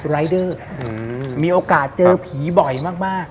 รายเดอร์มีโอกาสเจอผีบ่อยมาก